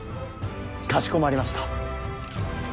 かしこまりました。